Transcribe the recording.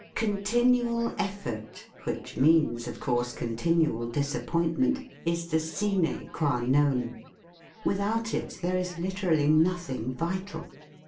Con tinual effort, which means, of course, continual disappointment, is the sine qua non — without it there is literally nothing vital.